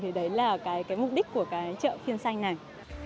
thì đấy là cái mục đích của cái chợ phiên xanh này